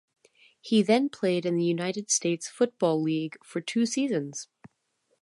He then played in the United States Football League for two seasons.